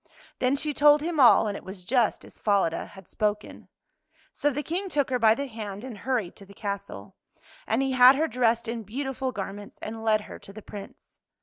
Then she told him all, and it was just as Falada had spoken. So the King took her by the hand and hurried to the castle. And he had her dressed in beautiful garments and led her to the Prince.